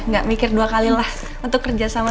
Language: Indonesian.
nggak mikir dua kalilah untuk kerjasama